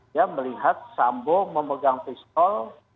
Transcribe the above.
dia melihat sambo memegang pistol